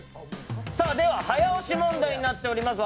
早押し問題になっております。